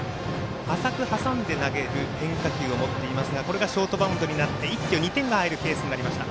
浅く挟んで投げる変化球も持っていますがこれがショートバウンドになって一挙２点が入るケースになりました。